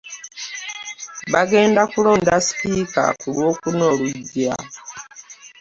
Bagenda kulonda sipiika ku lwokuna olujja.